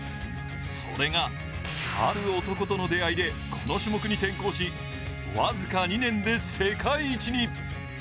それがある男との出会いで、この種目に転向し僅か２年で世界一に。